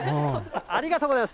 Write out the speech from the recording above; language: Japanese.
ありがとうございます。